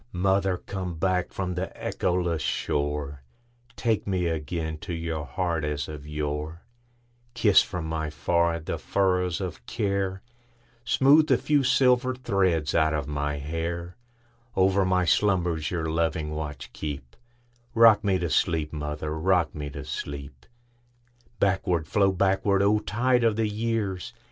Mother, come back from the echoless shore, Take me again to your heart as of yore; Kiss from my forehead the furrows of care, Smooth the few silver threads out of my hair; Over my slumbers your loving watch keep;—Rock me to sleep, mother,—rock me to sleep! Backward, flow backward, O tide of the years!